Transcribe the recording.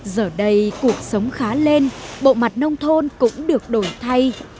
giờ đây cuộc sống khá lên bộ mặt nông thôn cũng được đổi thay